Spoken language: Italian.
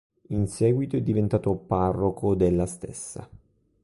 In seguito è diventato parroco della stessa.